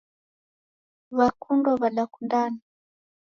W'akundwa w'adakundana.